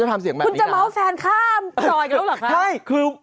ใจที่อีแนน